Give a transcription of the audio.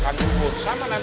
sama nanti semua bubur